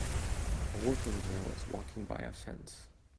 A working girl is walking by a fence.